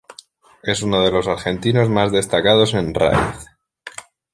Es uno de los argentinos más destacados en raid.